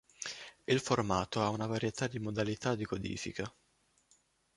Il formato ha una varietà di modalità di codifica.